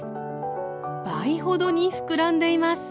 倍ほどに膨らんでいます。